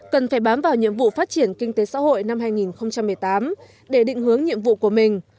cần phải bám vào nhiệm vụ phát triển kinh tế xã hội năm hai nghìn một mươi tám để định hướng nhiệm vụ của mình